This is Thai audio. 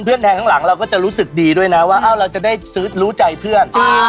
แทงข้างหลังเราก็จะรู้สึกดีด้วยนะว่าเราจะได้ซื้อรู้ใจเพื่อน